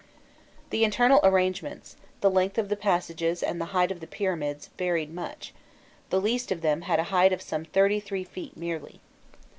The internal arrangements, the length of the passages and the height of the pyramids, varied much: the least of them had a height of some thirty three feet merely.